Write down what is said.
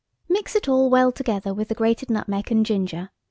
"'Mix it all well together with the grated nutmeg and ginger.